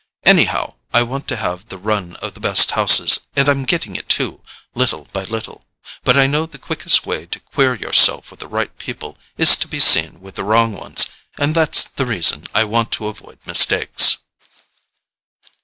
Anyhow, I want to have the run of the best houses; and I'm getting it too, little by little. But I know the quickest way to queer yourself with the right people is to be seen with the wrong ones; and that's the reason I want to avoid mistakes."